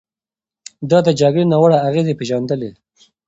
ده د جګړې ناوړه اغېزې پېژندلې.